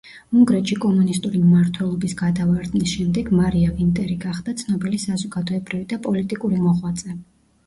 უნგრეთში კომუნისტური მმართველობის გადავრდნის შემდეგ მარია ვინტერი გახდა ცნობილი საზოგადოებრივი და პოლიტიკური მოღვაწე.